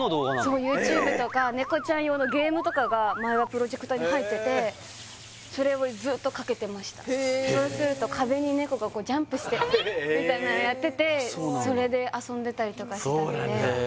そうＹｏｕＴｕｂｅとか猫ちゃん用のゲームとかが前はプロジェクターに入っててそれをずっとかけてましたへえそうすると壁に猫がジャンプしてみたいにやっててそうなんだそれで遊んでたりとかしたのでそうなんだ